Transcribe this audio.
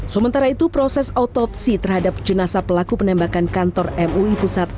sementara itu proses autopsi terhadap jenazah pelaku penembakan kantor mui pusat